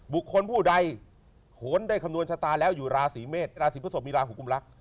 บุคคลผู้ใดโหนได้คำนวณชะตาแล้วอยู่ราศีเมษราศีพฤศพมีราหูกุมรัก